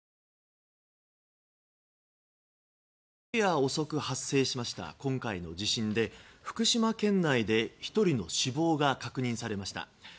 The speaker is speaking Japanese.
昨夜遅く発生した地震で福島県内で１人の死亡が確認されました。